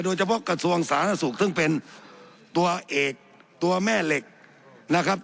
โดยเฉพาะกระทรวงศาสนสุขซึ่งเป็นตัวเอกตัวแม่เหล็กนะครับ